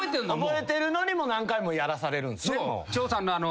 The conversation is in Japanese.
覚えてるのに何回もやらされるんすね。